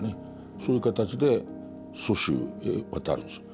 そういう形で蘇州へ渡るんですよ。